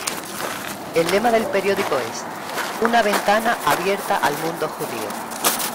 El lema del periódico es: "Una ventana abierta al mundo judío".